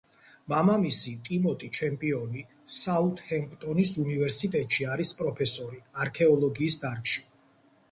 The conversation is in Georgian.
მამამისი, ტიმოტი ჩემპიონი, საუთჰემპტონის უნივერსიტეტში არის პროფესორი არქეოლოგიის დარგში.